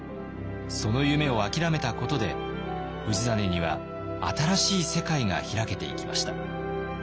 その夢をあきらめたことで氏真には新しい世界がひらけていきました。